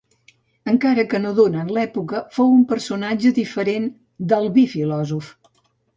Encara que no donen l'època, fou un personatge diferent d'Albí filòsof.